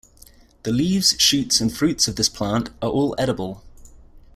The leaves, shoots, and fruits of this plant are all edible.